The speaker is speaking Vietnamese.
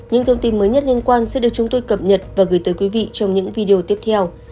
những thông tin mới nhất liên quan sẽ được chúng tôi cập nhật và gửi tới quý vị trong những video tiếp theo